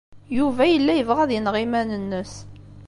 Yuba yella yebɣa ad ineɣ iman-nnes.